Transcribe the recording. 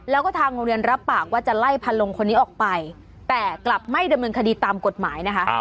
แล้วก็ทางโรงเรียนรับปากว่าจะไล่พันลงคนนี้ออกไปแต่กลับไม่ดำเนินคดีตามกฎหมายนะคะ